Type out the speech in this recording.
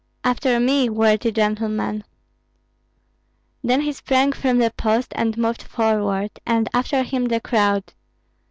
After me, worthy gentlemen!" Then he sprang from the post and moved forward, and after him the crowd.